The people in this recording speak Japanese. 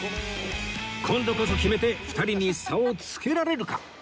今度こそ決めて２人に差をつけられるか？